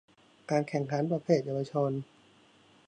การแข่งขันประเภทเยาวชน